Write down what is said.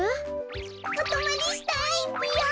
おとまりしたいぴよ！